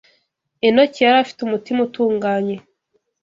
Enoki yari afite umutima utunganye